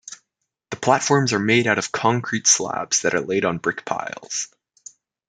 The platforms are made out of concrete slabs that are laid on brick piles.